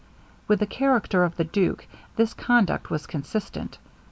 With the character of the duke, this conduct was consistent.